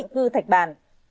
cư thạch bàn